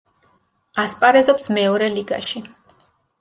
ასპარეზობს მეორე ლიგაში.